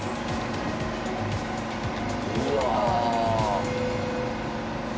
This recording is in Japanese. うわ。